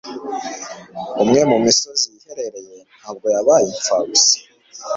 umwe mu misozi yiherereye ntabwo yabaye impfabusa.